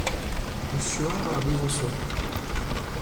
Rue Suard à Besançon